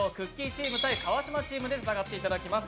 チーム対川島チームで戦っていただきます。